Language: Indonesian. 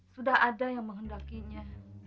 sudah ada yang menghendakinya